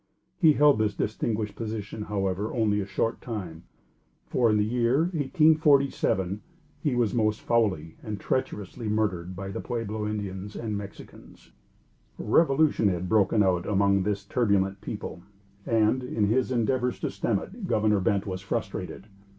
He held this distinguished position however only a short time; for, in the year 1847, he was most foully and treacherously murdered by the Pueblo Indians and Mexicans. A revolution had broken out among this turbulent people, and, in his endeavors to stem it, Governor Bent was frustrated.